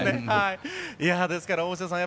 ですから大下さん